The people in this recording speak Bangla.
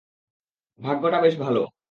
ভাগ্যটা বেশ ভালো!